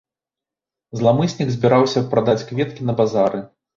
Зламыснік збіраўся прадаць кветкі на базары.